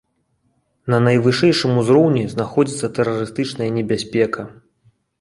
На найвышэйшым узроўні знаходзіцца тэрарыстычная небяспека.